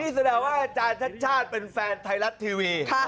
แสดงว่าอาจารย์ชัดชาติเป็นแฟนไทยรัฐทีวี